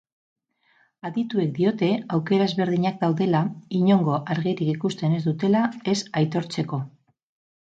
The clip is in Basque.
Adituek diote aukera ezberdinak daudela, inongo argirik ikusten ez dutela ez aitortzeko.